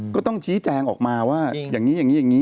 ก็ต้องชี้แจงออกมาว่าอย่างนี้อย่างนี้